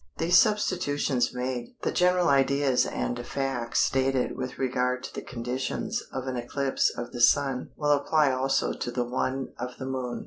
These substitutions made, the general ideas and facts stated with regard to the conditions of an eclipse of the Sun will apply also to the one of the Moon.